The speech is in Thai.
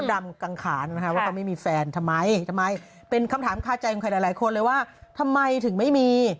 ทำไมเป็นคำถามพลาดใจของหลายคนเลยว่าทำไมถึงไม่มี